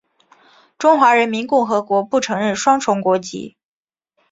中华人民共和国不承认双重国籍。